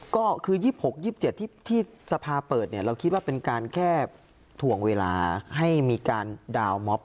ก็คือ๒๖๒๗ที่สภาเปิดเนี่ยเราคิดว่าเป็นการแค่ถ่วงเวลาให้มีการดาวน์ม็อบ